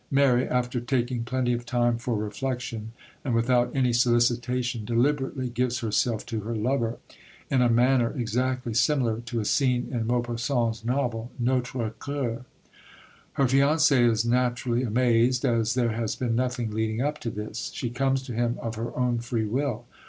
Mary, after taking plenty of time for reflexion, and without any solicitation, deliberately gives herself to her lover, in a manner exactly similar to a scene in Maupassant's novel, Notre Coeur. Her fiancé is naturally amazed, as there has been nothing leading up to this; she comes to him of her own free will.